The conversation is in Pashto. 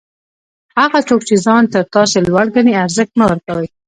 هغه څوک چي ځان تر تاسي لوړ ګڼي؛ ارزښت مه ورکوئ!